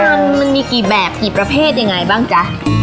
มันมีกี่แบบกี่ประเภทยังไงบ้างจ๊ะ